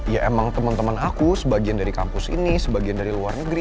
ya emang temen temen aku sebagian dari kampus ini sebagian dari luar negeri